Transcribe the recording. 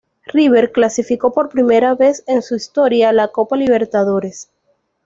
River clasificó por primera vez en su historia a la Copa Libertadores.